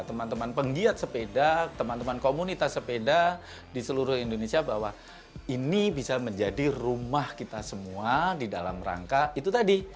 teman teman penggiat sepeda teman teman komunitas sepeda di seluruh indonesia bahwa ini bisa menjadi rumah kita semua di dalam rangka itu tadi